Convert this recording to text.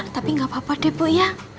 tapi nggak apa apa deh bu ya